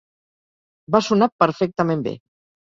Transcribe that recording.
Va sonar perfectament bé.